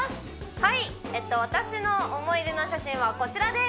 はい私の思い出の写真はこちらです